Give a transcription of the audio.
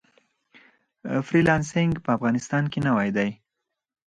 فری لانسینګ په افغانستان کې نوی دی